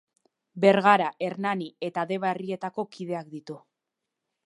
Bergara, Hernani eta Deba herrietako kideak ditu.